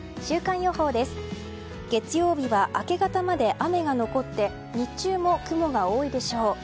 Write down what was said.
月曜日は、明け方まで雨が残って日中も雲が多いでしょう。